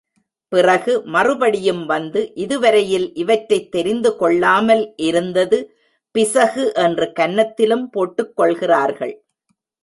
பிறகு மறுபடியும் வந்து, இதுவரையில் இவற்றைத் தெரிந்து கொள்ளாமல் இருந்தது பிசகு என்று கன்னத்திலும் போட்டுக் கொள்கிறார்கள்.